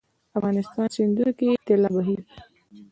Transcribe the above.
افغانستان سیندونو کې طلا بهیږي 😱